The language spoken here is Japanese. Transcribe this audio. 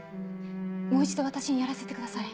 もう一度私にやらせてください。